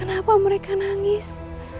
kenapa mereka nangis